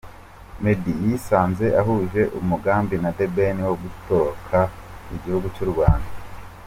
Meddy yisanze ahuje umugabi na The Ben wo gutoroka igihugu cy’u Rwanda.